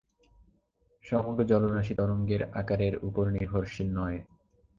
সমগ্র জলরাশি তরঙ্গের আকারের উপর নির্ভরশীল নয়।